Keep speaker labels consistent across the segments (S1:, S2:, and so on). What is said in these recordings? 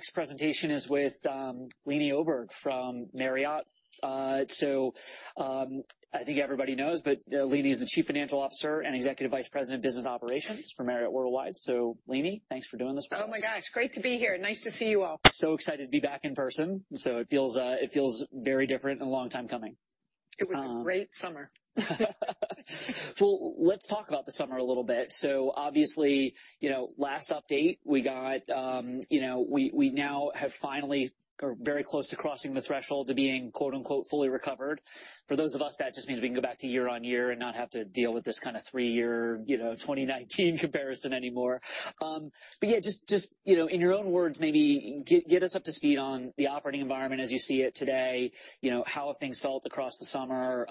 S1: Next presentation is with Leeny Oberg from Marriott. I think everybody knows, but Leeny is the Chief Financial Officer and Executive Vice President of Business Operations for Marriott International. Leeny, thanks for doing this for us.
S2: Oh, my gosh, great to be here. Nice to see you all.
S1: Excited to be back in person, so it feels very different and a long time coming.
S2: It was a great summer.
S1: Well, let's talk about the summer a little bit. Obviously, you know, last update we got, you know, we now have finally or very close to crossing the threshold to being, quote-unquote, fully recovered. For those of us, that just means we can go back to year-over-year and not have to deal with this kind of three-year, you know, 2019 comparison anymore. Yeah, just, you know, in your own words maybe get us up to speed on the operating environment as you see it today. You know, how have things felt across the summer?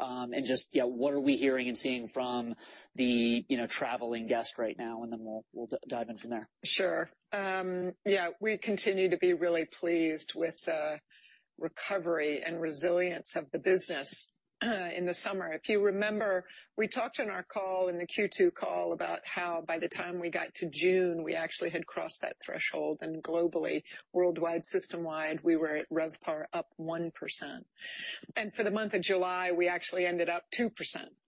S1: Just, yeah, what are we hearing and seeing from the, you know, traveling guest right now, and then we'll dive in from there.
S2: Sure. Yeah, we continue to be really pleased with the recovery and resilience of the business in the summer. If you remember, we talked in our call, in the Q2 call about how by the time we got to June, we actually had crossed that threshold. Globally, worldwide, system-wide, we were at RevPAR up 1%. For the month of July, we actually ended up 2%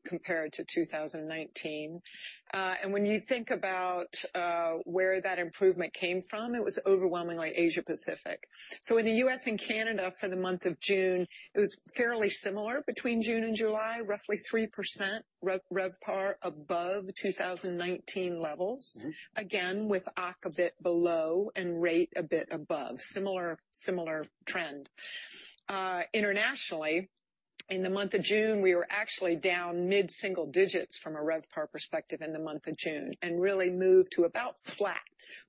S2: compared to 2019. When you think about where that improvement came from, it was overwhelmingly Asia-Pacific. In the U.S. and Canada for the month of June, it was fairly similar between June and July, roughly 3% RevPAR above 2019 levels.
S1: Mm-hmm.
S2: Again, with OCC a bit below and rate a bit above. Similar trend. Internationally, in the month of June, we were actually down mid-single digits percentage from a RevPAR perspective in the month of June, and really moved to about flat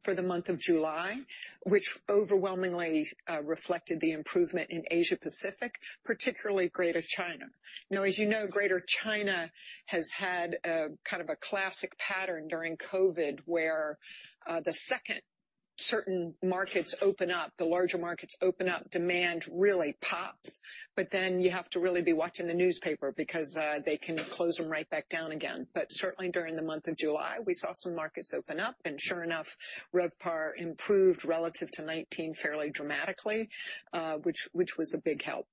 S2: for the month of July, which overwhelmingly reflected the improvement in Asia-Pacific, particularly Greater China. Now, as you know, Greater China has had a kind of a classic pattern during COVID, where as certain markets open up, the larger markets open up, demand really pops. Then you have to really be watching the newspaper because they can close them right back down again. Certainly, during the month of July, we saw some markets open up, and sure enough, RevPAR improved relative to 2019 fairly dramatically, which was a big help.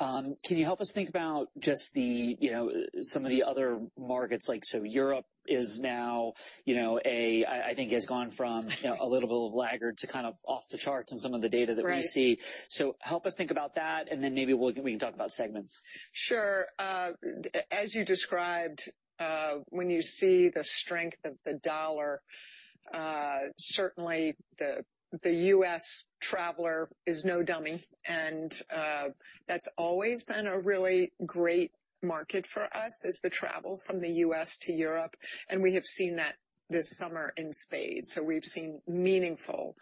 S1: Can you help us think about just the, you know, some of the other markets like so Europe is now, you know, I think has gone from, you know, a little bit of laggard to kind of off the charts in some of the data that we see?
S2: Right.
S1: Help us think about that, and then maybe we can talk about segments.
S2: Sure. As you described, when you see the strength of the dollar, certainly the U.S. traveler is no dummy. That's always been a really great market for us, is the travel from the U.S. to Europe, and we have seen that this summer in spades. We've seen meaningful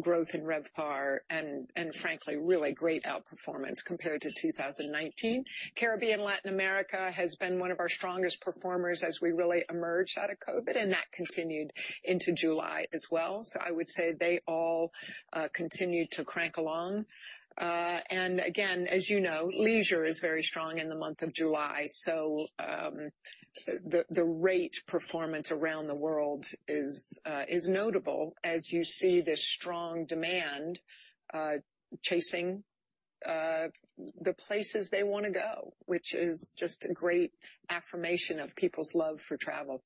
S2: growth in RevPAR and frankly, really great outperformance compared to 2019. Caribbean, Latin America has been one of our strongest performers as we really emerge out of COVID, and that continued into July as well. I would say they all continued to crank along. Again, as you know, leisure is very strong in the month of July. The rate performance around the world is notable as you see this strong demand chasing the places they wanna go, which is just a great affirmation of people's love for travel.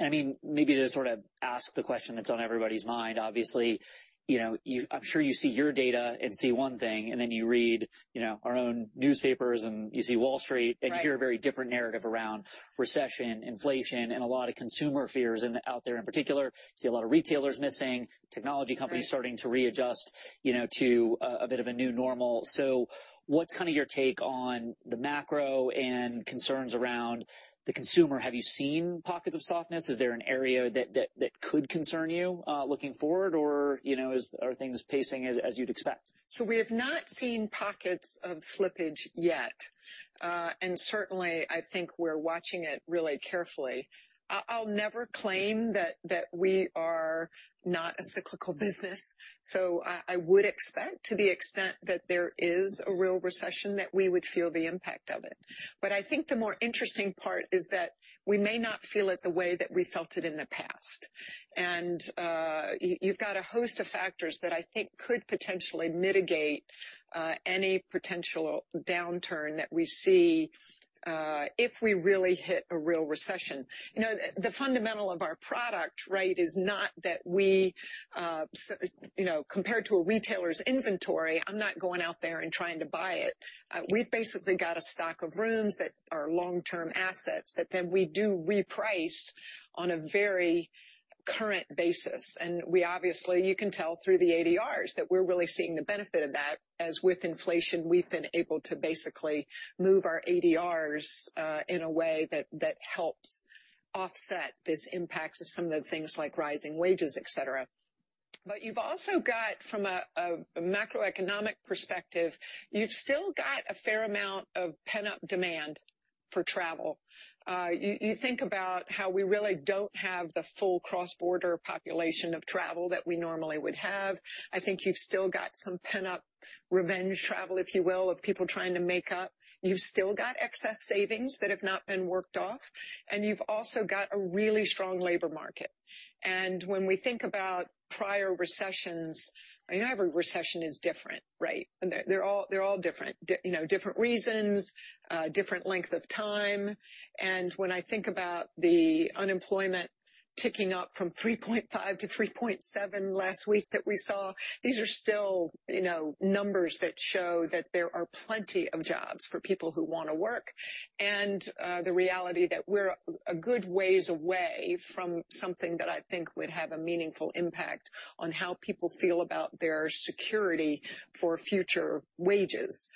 S1: I mean, maybe to sort of ask the question that's on everybody's mind, obviously, you know, I'm sure you see your data and see one thing, and then you read, you know, our own newspapers and you see Wall Street.
S2: Right.
S1: hear a very different narrative around recession, inflation, and a lot of consumer fears out there. In particular, you see a lot of retailers missing, technology companies.
S2: Right.
S1: Starting to readjust, you know, to a bit of a new normal. What's kind of your take on the macro and concerns around the consumer? Have you seen pockets of softness? Is there an area that could concern you, looking forward? Or, you know, are things pacing as you'd expect?
S2: We have not seen pockets of slippage yet. Certainly, I think we're watching it really carefully. I'll never claim that we are not a cyclical business. I would expect to the extent that there is a real recession, that we would feel the impact of it. I think the more interesting part is that we may not feel it the way that we felt it in the past. You've got a host of factors that I think could potentially mitigate any potential downturn that we see if we really hit a real recession. You know, the fundamental of our product, right, is not that we, compared to a retailer's inventory, I'm not going out there and trying to buy it. We've basically got a stock of rooms that are long-term assets that then we do reprice on a very current basis. We obviously, you can tell through the ADRs that we're really seeing the benefit of that. As with inflation, we've been able to basically move our ADRs in a way that helps offset this impact of some of the things like rising wages, et cetera. You've also got from a macroeconomic perspective, you've still got a fair amount of pent-up demand for travel. You think about how we really don't have the full cross-border population of travel that we normally would have. I think you've still got some pent-up revenge travel, if you will, of people trying to make up. You've still got excess savings that have not been worked off, and you've also got a really strong labor market. When we think about prior recessions, you know every recession is different, right? They're all different. You know, different reasons, different length of time. When I think about the unemployment ticking up from 3.5%-3.7% last week that we saw, these are still, you know, numbers that show that there are plenty of jobs for people who wanna work. The reality that we're a good ways away from something that I think would have a meaningful impact on how people feel about their security for future wages.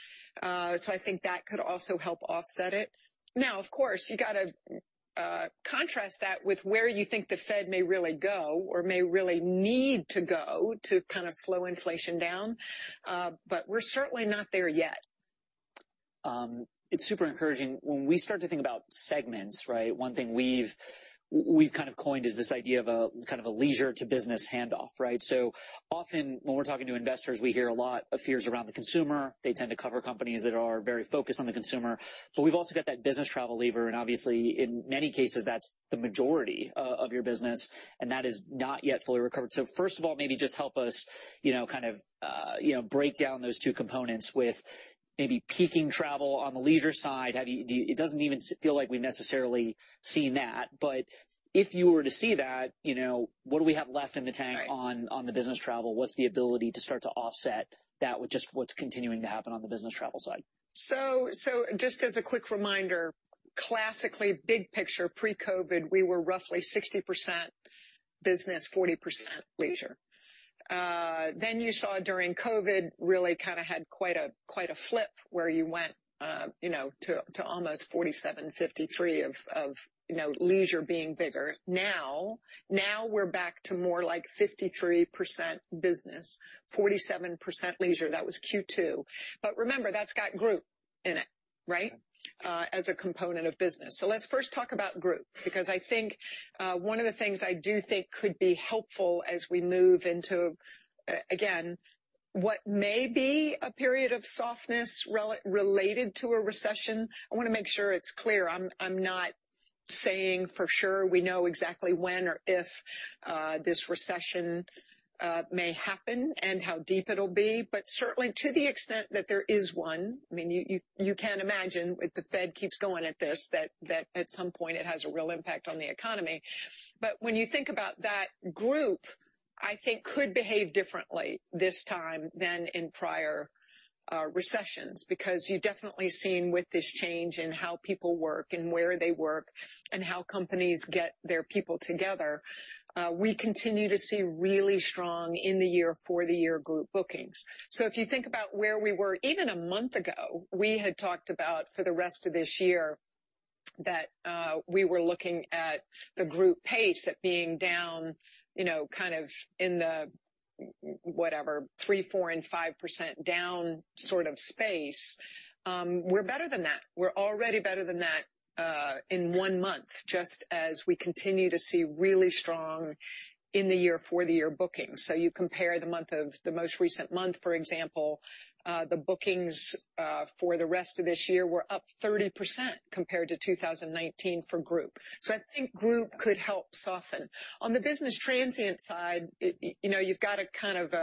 S2: I think that could also help offset it. Now, of course, you gotta contrast that with where you think the Fed may really go or may really need to go to kind of slow inflation down. We're certainly not there yet.
S1: It's super encouraging. When we start to think about segments, right? One thing we've kind of coined is this idea of a kind of a leisure to business handoff, right? Often when we're talking to investors, we hear a lot of fears around the consumer. They tend to cover companies that are very focused on the consumer. We've also got that business travel lever, and obviously, in many cases, that's the majority of your business, and that is not yet fully recovered. First of all, maybe just help us, you know, kind of, you know, break down those two components with maybe peaking travel on the leisure side. It doesn't even feel like we necessarily seen that. If you were to see that, you know, what do we have left in the tank?
S2: Right.
S1: Jon, on the business travel? What's the ability to start to offset that with just what's continuing to happen on the business travel side?
S2: Just as a quick reminder, classically, big picture, pre-COVID, we were roughly 60% business, 40% leisure. Then you saw during COVID really kind of had quite a flip where you went, you know, to almost 47, 53 of, you know, leisure being bigger. Now we're back to more like 53% business, 47% leisure. That was Q2. Remember, that's got group in it, right? As a component of business. Let's first talk about group, because I think one of the things I do think could be helpful as we move into, again, what may be a period of softness related to a recession. I wanna make sure it's clear. I'm not saying for sure we know exactly when or if this recession may happen and how deep it'll be, but certainly to the extent that there is one. I mean, you can imagine if the Fed keeps going at this, that at some point it has a real impact on the economy. When you think about that group, I think could behave differently this time than in prior recessions, because you've definitely seen with this change in how people work and where they work and how companies get their people together, we continue to see really strong year-over-year group bookings. If you think about where we were. Even a month ago, we had talked about for the rest of this year that we were looking at the group pace at being down, you know, kind of in the, whatever, 3%, 4%, and 5% down sort of space. We're better than that. We're already better than that in one month, just as we continue to see really strong year-over-year bookings. You compare the most recent month, for example, the bookings for the rest of this year were up 30% compared to 2019 for group. I think group could help soften. On the business transient side, you know, you've got a kind of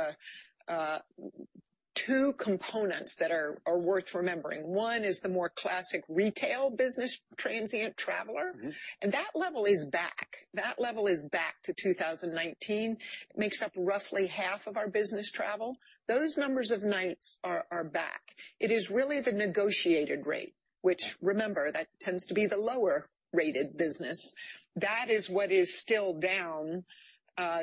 S2: two components that are worth remembering. One is the more classic retail business transient traveler.
S1: Mm-hmm.
S2: That level is back. That level is back to 2019. It makes up roughly half of our business travel. Those numbers of nights are back. It is really the negotiated rate, which, remember, that tends to be the lower rated business. That is what is still down,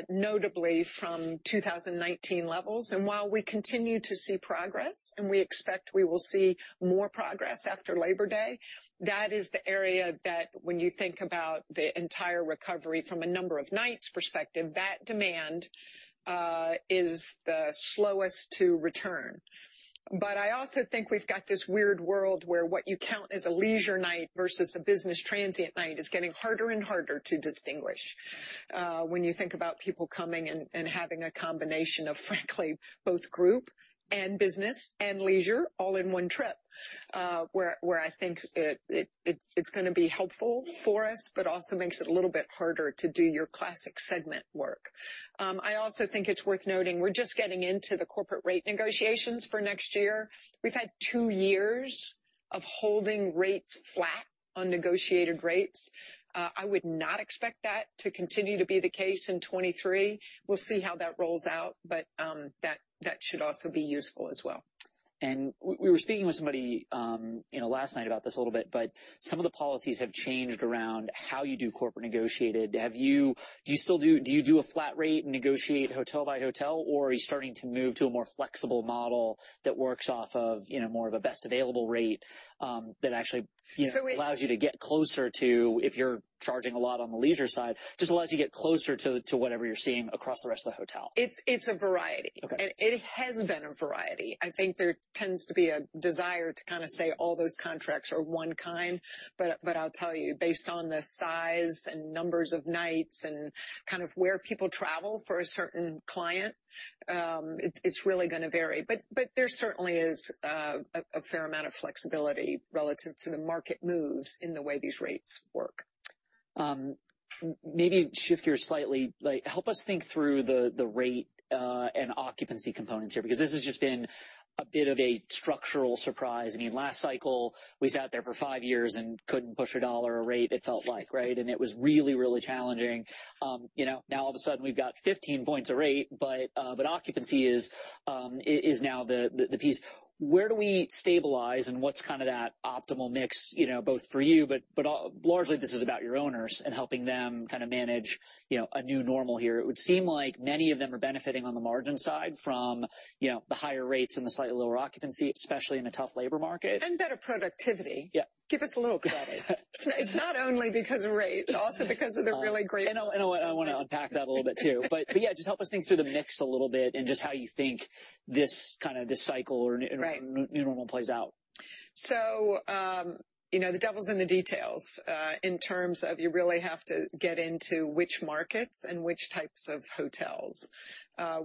S2: notably from 2019 levels. While we continue to see progress, and we expect we will see more progress after Labor Day, that is the area that when you think about the entire recovery from a number of nights perspective, that demand is the slowest to return. I also think we've got this weird world where what you count as a leisure night versus a business transient night is getting harder and harder to distinguish, when you think about people coming and having a combination of, frankly, both group and business and leisure all in one trip, where I think it's gonna be helpful for us, but also makes it a little bit harder to do your classic segment work. I also think it's worth noting, we're just getting into the corporate rate negotiations for next year. We've had two years of holding rates flat on negotiated rates. I would not expect that to continue to be the case in 2023. We'll see how that rolls out, but that should also be useful as well.
S1: We were speaking with somebody, you know, last night about this a little bit, but some of the policies have changed around how you do corporate negotiated. Do you still do a flat rate and negotiate hotel by hotel, or are you starting to move to a more flexible model that works off of, you know, more of a best available rate, that actually, you know-
S2: So we-
S1: just allows you to get closer to whatever you're seeing across the rest of the hotel.
S2: It's a variety.
S1: Okay.
S2: It has been a variety. I think there tends to be a desire to kind of say all those contracts are one kind, but I'll tell you, based on the size and numbers of nights and kind of where people travel for a certain client, it's really gonna vary. But there certainly is a fair amount of flexibility relative to the market moves in the way these rates work.
S1: Maybe shift gears slightly, like, help us think through the rate and occupancy components here, because this has just been a bit of a structural surprise. I mean, last cycle we sat there for five years and couldn't push $1 a rate, it felt like, right? It was really, really challenging. You know, now all of a sudden we've got 15 points a rate, but occupancy is now the piece. Where do we stabilize and what's kind of that optimal mix, you know, both for you, but largely this is about your owners and helping them kind of manage a new normal here. It would seem like many of them are benefiting on the margin side from the higher rates and the slightly lower occupancy, especially in a tough labor market.
S2: Better productivity.
S1: Yeah.
S2: Give us a little credit. It's not only because of rate, it's also because of the really great
S1: I wanna unpack that a little bit too. Yeah, just help us think through the mix a little bit and just how you think this kind of cycle or n-
S2: Right
S1: New normal plays out.
S2: The devil's in the details, in terms of you really have to get into which markets and which types of hotels.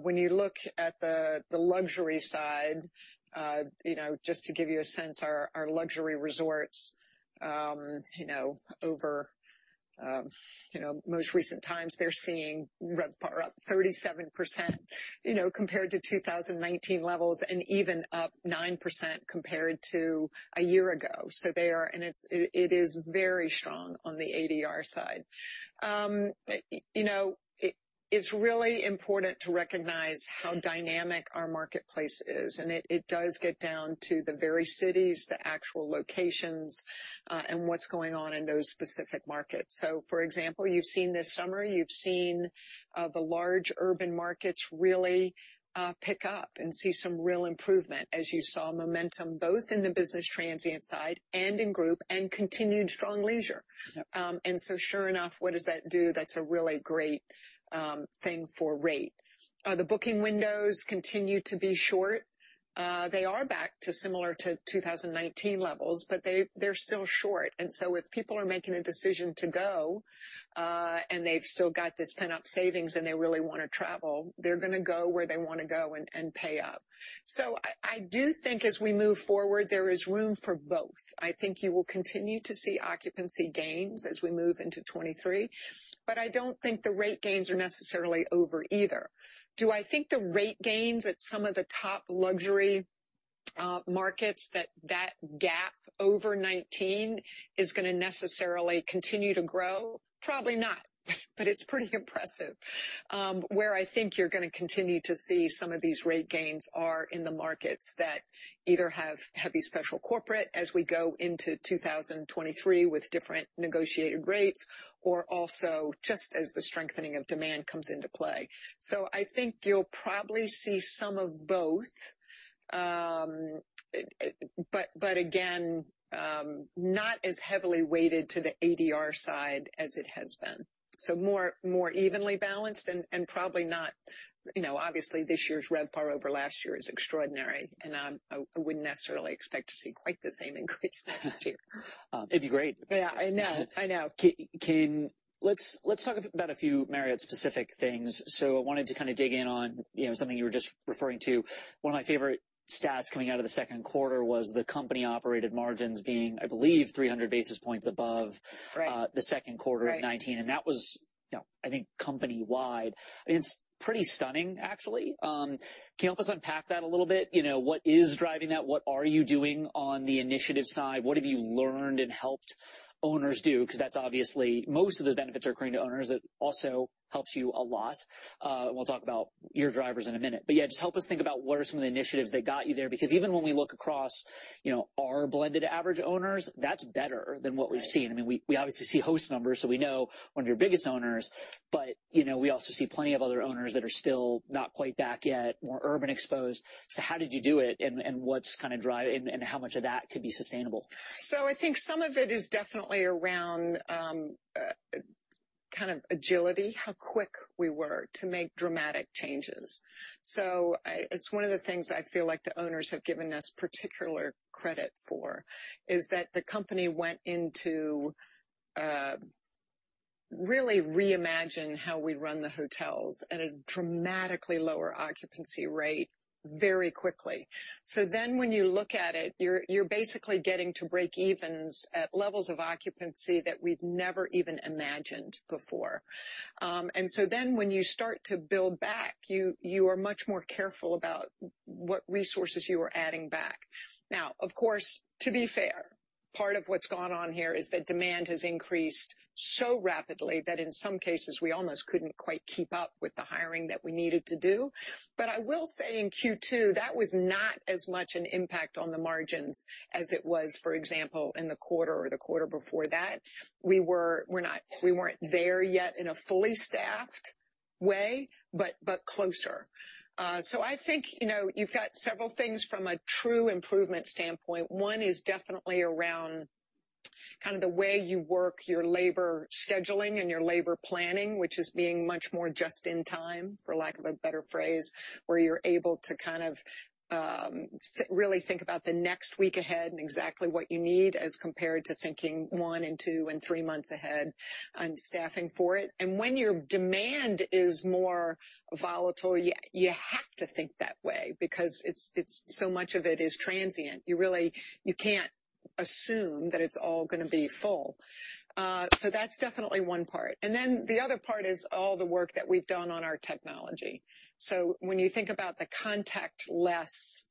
S2: When you look at the luxury side, you know, just to give you a sense, our luxury resorts, you know, over most recent times they're seeing RevPAR up 37%, you know, compared to 2019 levels and even up 9% compared to a year ago. They are. It's very strong on the ADR side. You know, it is really important to recognize how dynamic our marketplace is, and it does get down to the very cities, the actual locations, and what's going on in those specific markets. For example, you've seen this summer, the large urban markets really pick up and see some real improvement as you saw momentum both in the business transient side and in group and continued strong leisure.
S1: Sure.
S2: Sure enough, what does that do? That's a really great thing for rate. The booking windows continue to be short. They are back to similar to 2019 levels, but they're still short. If people are making a decision to go, and they've still got this pent up savings and they really wanna travel, they're gonna go where they wanna go and pay up. I do think as we move forward, there is room for both. I think you will continue to see occupancy gains as we move into 2023, but I don't think the rate gains are necessarily over either. Do I think the rate gains at some of the top luxury markets that gap over 2019 is gonna necessarily continue to grow? Probably not, but it's pretty impressive. Where I think you're gonna continue to see some of these rate gains are in the markets that either have heavy special corporate as we go into 2023 with different negotiated rates, or also just as the strengthening of demand comes into play. I think you'll probably see some of both. Again, not as heavily weighted to the ADR side as it has been. More evenly balanced and probably not, you know, obviously this year's RevPAR over last year is extraordinary, and I wouldn't necessarily expect to see quite the same increase next year.
S1: It'd be great.
S2: Yeah, I know. I know.
S1: Let's talk about a few Marriott specific things. I wanted to kind of dig in on, you know, something you were just referring to. One of my favorite stats coming out of the second quarter was the company operated margins being, I believe, 300 basis points above-
S2: Right.
S1: the second quarter of 2019.
S2: Right.
S1: That was, you know, I think company-wide. It's pretty stunning actually. Can you help us unpack that a little bit? You know, what is driving that? What are you doing on the initiative side? What have you learned and helped owners do? Because that's obviously most of the benefits are accruing to owners. It also helps you a lot. We'll talk about your drivers in a minute. Yeah, just help us think about what are some of the initiatives that got you there. Because even when we look across, you know, our blended average owners, that's better than what we've seen.
S2: Right.
S1: I mean, we obviously see Host numbers, so we know one of your biggest owners, but you know, we also see plenty of other owners that are still not quite back yet, more urban exposed. How did you do it and what's kind of driving and how much of that could be sustainable?
S2: I think some of it is definitely around, kind of agility, how quick we were to make dramatic changes. It's one of the things I feel like the owners have given us particular credit for, is that the company went into really reimagine how we run the hotels at a dramatically lower occupancy rate very quickly. When you look at it, you're basically getting to breakeven at levels of occupancy that we'd never even imagined before. When you start to build back, you are much more careful about what resources you are adding back. Now, of course, to be fair, part of what's gone on here is that demand has increased so rapidly that in some cases we almost couldn't quite keep up with the hiring that we needed to do. I will say in Q2, that was not as much an impact on the margins as it was, for example, in the quarter or the quarter before that. We weren't there yet in a fully staffed way, but closer. I think, you know, you've got several things from a true improvement standpoint. One is definitely around kind of the way you work your labor scheduling and your labor planning, which is being much more just in time, for lack of a better phrase, where you're able to kind of, really think about the next week ahead and exactly what you need as compared to thinking one and two and three months ahead on staffing for it. When your demand is more volatile, you have to think that way because it's so much of it is transient. You can't assume that it's all gonna be full. That's definitely one part. The other part is all the work that we've done on our technology. When you think about the contactless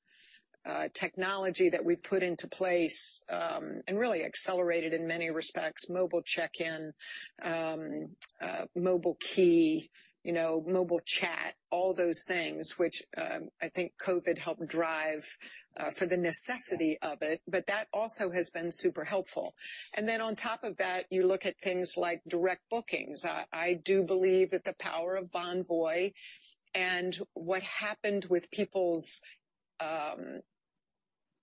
S2: technology that we've put into place and really accelerated in many respects, mobile check-in, mobile key, you know, mobile chat, all those things which, I think COVID helped drive for the necessity of it, but that also has been super helpful. On top of that, you look at things like direct bookings. I do believe that the power of Bonvoy and what happened with people's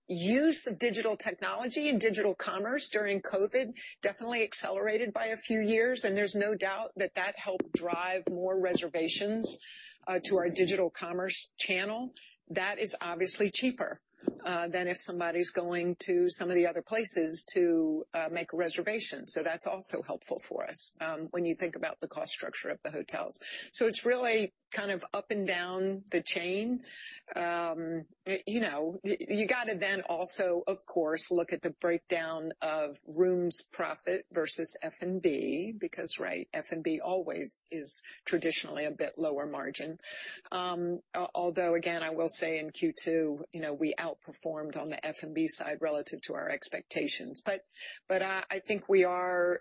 S2: use of digital technology and digital commerce during COVID definitely accelerated by a few years, and there's no doubt that that helped drive more reservations to our digital commerce channel. That is obviously cheaper than if somebody's going to some of the other places to make a reservation. That's also helpful for us when you think about the cost structure of the hotels. It's really kind of up and down the chain. You know, you gotta then also, of course, look at the breakdown of rooms profit versus F&B because, right, F&B always is traditionally a bit lower margin. Although, again, I will say in Q2, you know, we outperformed on the F&B side relative to our expectations. But I think we are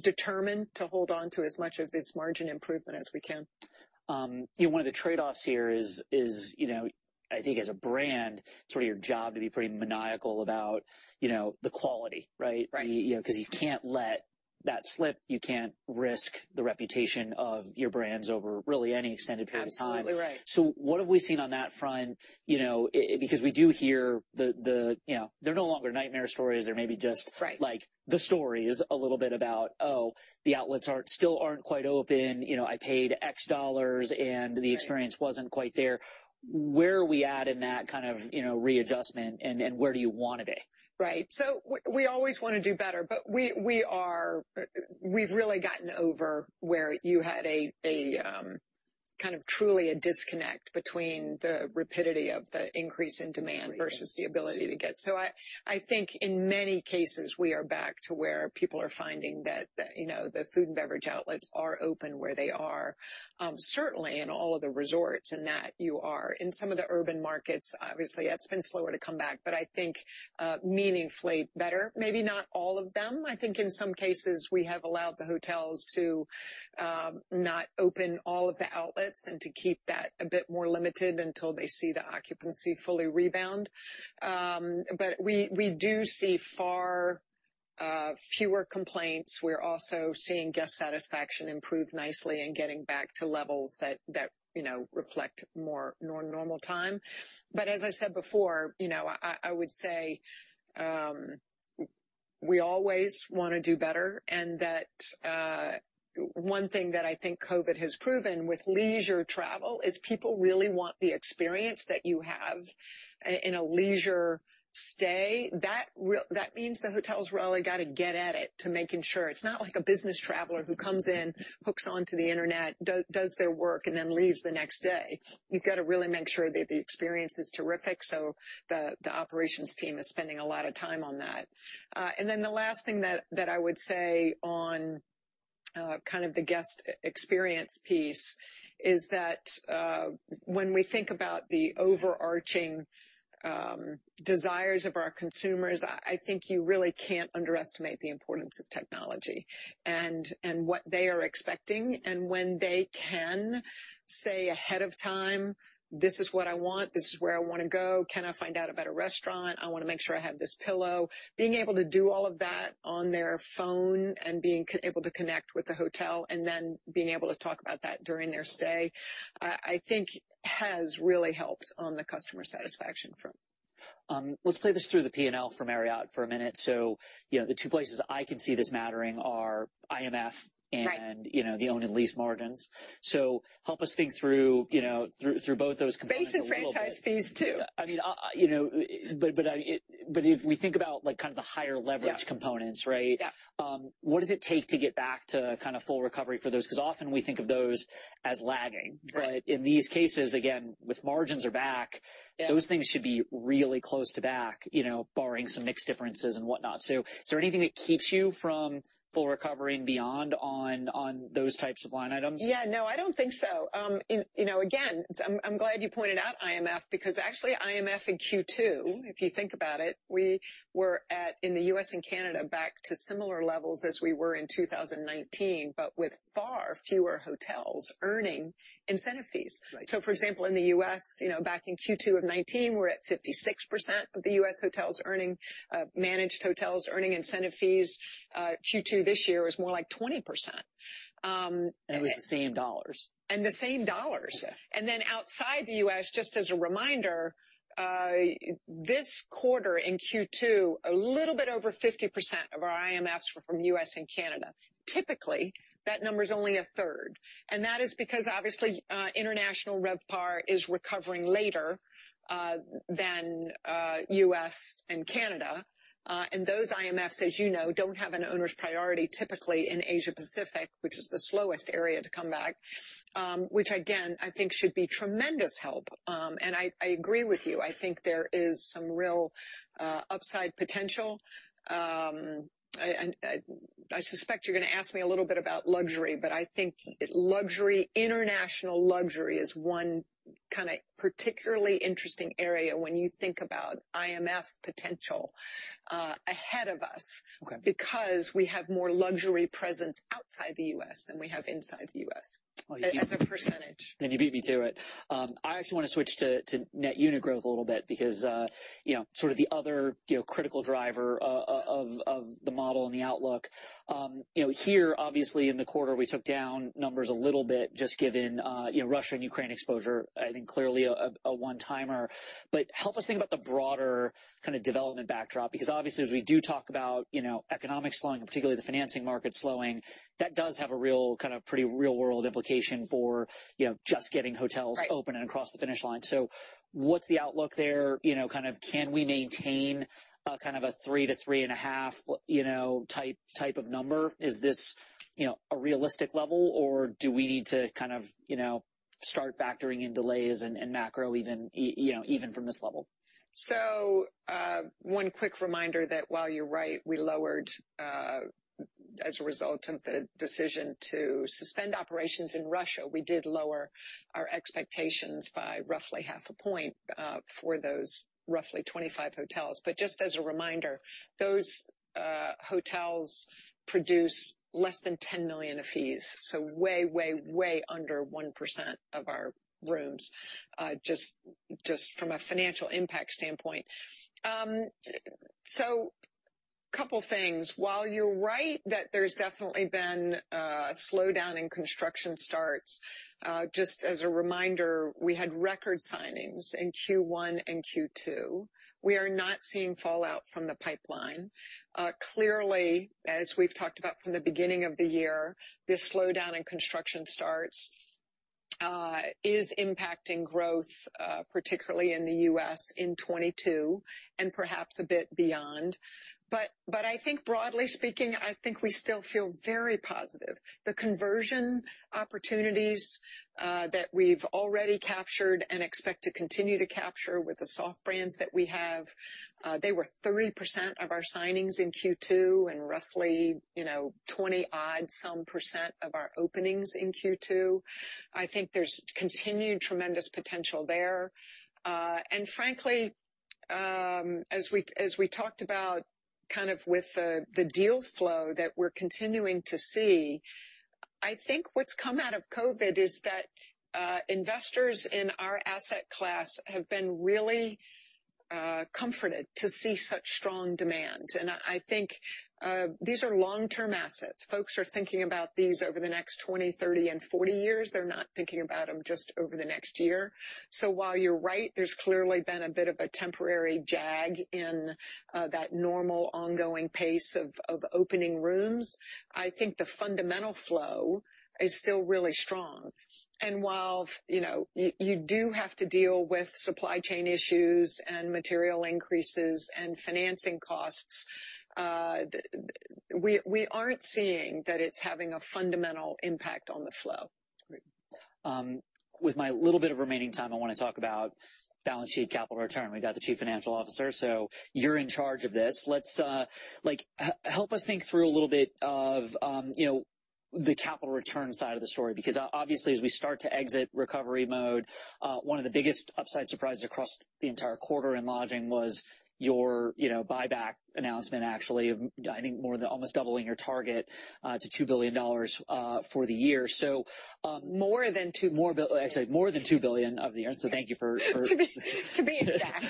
S2: determined to hold on to as much of this margin improvement as we can.
S1: You know, one of the trade-offs here is, you know, I think as a brand, it's sort of your job to be pretty maniacal about, you know, the quality, right?
S2: Right.
S1: You know, 'cause you can't let that slip. You can't risk the reputation of your brands over really any extended period of time.
S2: Absolutely right.
S1: What have we seen on that front? You know, because we do hear, you know, they're no longer nightmare stories. They're maybe just.
S2: Right
S1: like, the stories a little bit about, "Oh, the outlets still aren't quite open. You know, I paid X dollars, and the experience wasn't quite there." Where are we at in that kind of, you know, readjustment, and where do you want to be?
S2: Right. We always wanna do better, but we are, we've really gotten over where you had a kind of truly a disconnect between the rapidity of the increase in demand versus the ability to get. I think in many cases, we are back to where people are finding that, you know, the food and beverage outlets are open where they are, certainly in all of the resorts and that you are. In some of the urban markets, obviously that's been slower to come back, but I think meaningfully better. Maybe not all of them. I think in some cases we have allowed the hotels to not open all of the outlets and to keep that a bit more limited until they see the occupancy fully rebound. We do see far fewer complaints. We're also seeing guest satisfaction improve nicely and getting back to levels that you know reflect more normal time. As I said before, you know, I would say we always wanna do better and that one thing that I think COVID has proven with leisure travel is people really want the experience that you have in a leisure stay. That means the hotels really gotta get at it to making sure. It's not like a business traveler who comes in, hooks onto the internet, does their work, and then leaves the next day. You've gotta really make sure that the experience is terrific, so the operations team is spending a lot of time on that. The last thing that I would say on kind of the guest experience piece is that, when we think about the overarching desires of our consumers, I think you really can't underestimate the importance of technology and what they are expecting and when they can say ahead of time, "This is what I want. This is where I wanna go. Can I find out about a restaurant? I wanna make sure I have this pillow." Being able to do all of that on their phone and being able to connect with the hotel and then being able to talk about that during their stay, I think has really helped on the customer satisfaction front.
S1: Let's play this through the P&L for Marriott for a minute. You know, the two places I could see this mattering are IMF and-
S2: Right.
S1: You know, the owned and leased margins. Help us think through, you know, through both those components a little bit.
S2: Base and franchise fees too.
S1: I mean, you know, but if we think about like kind of the higher leverage components, right?
S2: Yeah.
S1: What does it take to get back to kind of full recovery for those? Because often we think of those as lagging.
S2: Right.
S1: in these cases, again, with margins are back-
S2: Yeah.
S1: Those things should be really close to back, you know, barring some mix differences and whatnot. Is there anything that keeps you from full recovery and beyond on those types of line items?
S2: Yeah. No, I don't think so. You know, again, I'm glad you pointed out IMF because actually IMF in Q2, if you think about it, we were at in the U.S. and Canada back to similar levels as we were in 2019, but with far fewer hotels earning incentive fees.
S1: Right.
S2: For example, in the U.S., you know, back in Q2 of 2019, we're at 56% of the U.S. hotels earning managed hotels earning incentive fees. Q2 this year was more like 20%.
S1: It was the same dollars.
S2: The same dollars.
S1: Yeah.
S2: Outside the U.S., just as a reminder, this quarter in Q2, a little bit over 50% of our IMFs were from U.S. and Canada. Typically, that number is only a third, and that is because obviously, international RevPAR is recovering later than U.S. and Canada. Those IMFs, as you know, don't have an owner's priority typically in Asia Pacific, which is the slowest area to come back, which again, I think should be tremendous help. I agree with you. I think there is some real upside potential. I suspect you're going to ask me a little bit about luxury, but I think luxury, international luxury is one kind of particularly interesting area when you think about IMF potential ahead of us.
S1: Okay.
S2: Because we have more luxury presence outside the U.S. than we have inside the U.S.
S1: Oh, you.
S2: As a percentage.
S1: You beat me to it. I actually want to switch to net unit growth a little bit because, you know, sort of the other, you know, critical driver of the model and the outlook. You know, here, obviously in the quarter, we took down numbers a little bit just given, you know, Russia and Ukraine exposure, I think clearly a one-timer. Help us think about the broader kind of development backdrop, because obviously, as we do talk about, you know, economic slowing, particularly the financing market slowing, that does have a real kind of pretty real-world implication for, you know, just getting hotels open.
S2: Right.
S1: Across the finish line. What's the outlook there? You know, kind of can we maintain kind of a 3%-3.5%, you know, type of number? Is this, you know, a realistic level, or do we need to kind of, you know, start factoring in delays and macro even, you know, even from this level?
S2: One quick reminder that while you're right, we lowered, as a result of the decision to suspend operations in Russia, we did lower our expectations by roughly half a point, for those roughly 25 hotels. Just as a reminder, those hotels produce less than $10 million of fees. Way under 1% of our rooms, just from a financial impact standpoint. Couple things. While you're right that there's definitely been a slowdown in construction starts, just as a reminder, we had record signings in Q1 and Q2. We are not seeing fallout from the pipeline. Clearly, as we've talked about from the beginning of the year, this slowdown in construction starts is impacting growth, particularly in the U.S. in 2022 and perhaps a bit beyond. I think broadly speaking, I think we still feel very positive. The conversion opportunities that we've already captured and expect to continue to capture with the soft brands that we have, they were 30% of our signings in Q2 and roughly, you know, 20% of our openings in Q2. I think there's continued tremendous potential there. Frankly, as we talked about kind of with the deal flow that we're continuing to see, I think what's come out of COVID is that investors in our asset class have been really comforted to see such strong demand. I think these are long-term assets. Folks are thinking about these over the next 20, 30, and 40 years. They're not thinking about them just over the next year. While you're right, there's clearly been a bit of a temporary jag in that normal ongoing pace of opening rooms. I think the fundamental flow is still really strong. While, you know, you do have to deal with supply chain issues and material increases and financing costs, we aren't seeing that it's having a fundamental impact on the flow.
S1: Great. With my little bit of remaining time, I want to talk about balance sheet capital return. We got the Chief Financial Officer, so you're in charge of this. Let's, like, help us think through a little bit of, you know, the capital return side of the story, because obviously, as we start to exit recovery mode, one of the biggest upside surprises across the entire quarter in lodging was your, you know, buyback announcement, actually, I think more than almost doubling your target to $2 billion for the year. So, I'm sorry, more than $2 billion for the year. So thank you for,
S2: To be exact.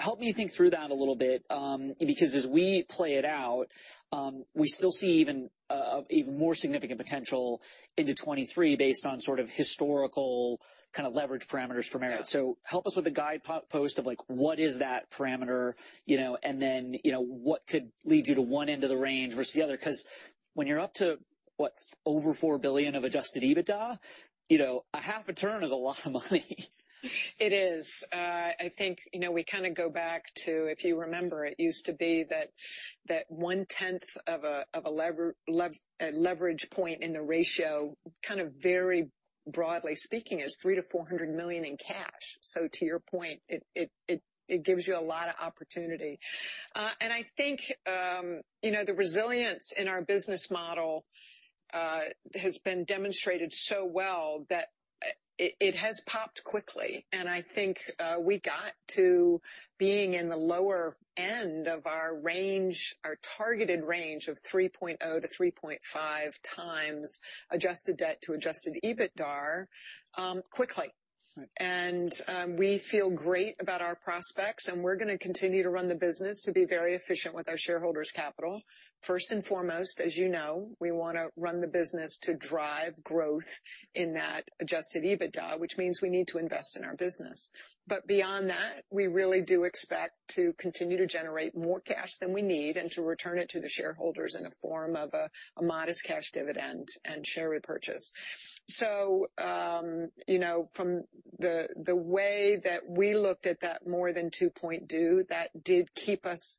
S1: Help me think through that a little bit, because as we play it out, we still see even more significant potential into 2023 based on sort of historical kind of leverage parameters for Marriott. Help us with a guidepost of, like, what is that parameter? You know, and then, you know, what could lead you to one end of the range versus the other? 'Cause when you're up to, what? Over $4 billion of adjusted EBITDA, you know, a half a turn is a lot of money.
S2: It is. I think, you know, we kinda go back to, if you remember, it used to be that 1/10 of a leverage point in the ratio, kind of very broadly speaking, is $300 million-$400 million in cash. So to your point, it gives you a lot of opportunity. I think, you know, the resilience in our business model has been demonstrated so well that it has popped quickly. I think we got to being in the lower end of our range, our targeted range of 3.0x-3.5x adjusted debt to adjusted EBITDA, quickly.
S1: Right.
S2: We feel great about our prospects, and we're gonna continue to run the business to be very efficient with our shareholders' capital. First and foremost, as you know, we wanna run the business to drive growth in that adjusted EBITDA, which means we need to invest in our business. Beyond that, we really do expect to continue to generate more cash than we need and to return it to the shareholders in the form of a modest cash dividend and share repurchase. You know, from the way that we looked at that more than 2.0, that did keep us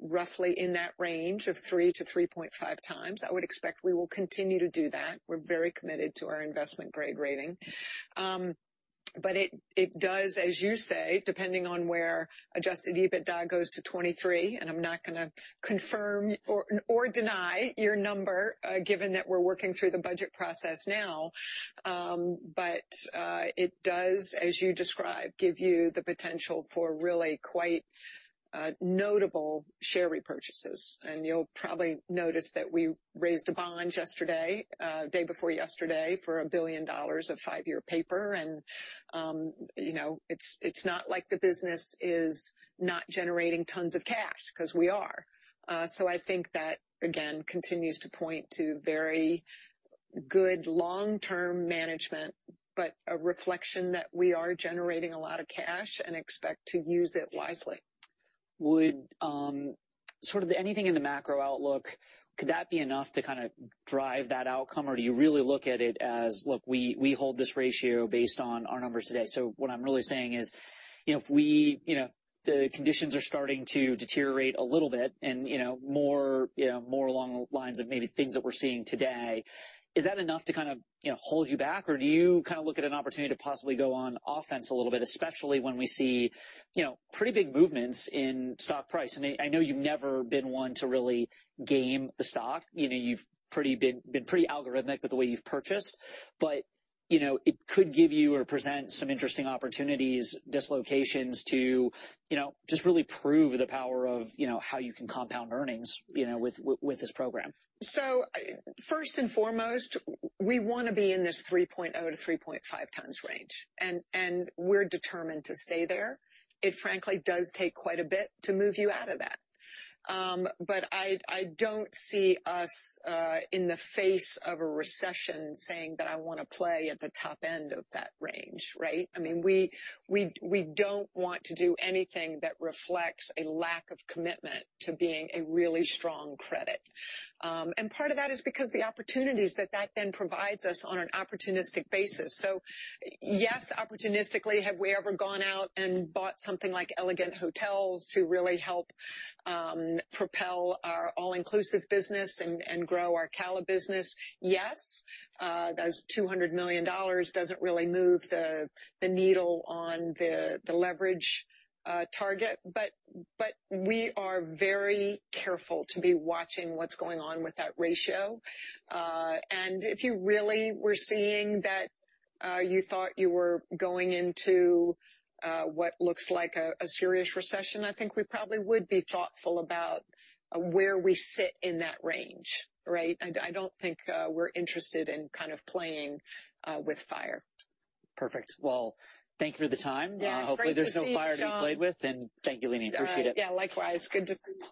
S2: roughly in that range of 3x-3.5x. I would expect we will continue to do that. We're very committed to our investment grade rating. It does, as you say, depending on where adjusted EBITDA goes to 2023, and I'm not gonna confirm or deny your number, given that we're working through the budget process now. It does, as you describe, give you the potential for really quite notable share repurchases. You'll probably notice that we raised a bond yesterday, day before yesterday, for $1 billion of five-year paper, and you know, it's not like the business is not generating tons of cash, 'cause we are. I think that, again, continues to point to very good long-term management, but a reflection that we are generating a lot of cash and expect to use it wisely.
S1: Would sort of anything in the macro outlook could that be enough to kinda drive that outcome? Or do you really look at it as, "Look, we hold this ratio based on our numbers today"? What I'm really saying is, you know, if the conditions are starting to deteriorate a little bit and, you know, more along the lines of maybe things that we're seeing today, is that enough to kind of, you know, hold you back, or do you kinda look at an opportunity to possibly go on offense a little bit, especially when we see, you know, pretty big movements in stock price? I know you've never been one to really game the stock. You know, you've been pretty algorithmic with the way you've purchased. You know, it could give you or present some interesting opportunities, dislocations to, you know, just really prove the power of, you know, how you can compound earnings, you know, with this program.
S2: First and foremost, we wanna be in this 3.0x-3.5x range, and we're determined to stay there. It frankly does take quite a bit to move you out of that. I don't see us in the face of a recession saying that I wanna play at the top end of that range, right? I mean, we don't want to do anything that reflects a lack of commitment to being a really strong credit. Part of that is because the opportunities that that then provides us on an opportunistic basis. Yes, opportunistically, have we ever gone out and bought something like Elegant Hotels Group to really help propel our all-inclusive business and grow our CALA business? Yes. That $200 million doesn't really move the needle on the leverage target, but we are very careful to be watching what's going on with that ratio. If you really were seeing that, you thought you were going into what looks like a serious recession, I think we probably would be thoughtful about where we sit in that range, right? I don't think we're interested in kind of playing with fire.
S1: Perfect. Well, thank you for the time.
S2: Yeah. Great to see you, Jon.
S1: Hopefully there's no fire being played with, and thank you, Leeny. Appreciate it.
S2: Yeah, likewise. Good to see you.